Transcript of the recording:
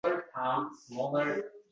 Bu nimasi, axir?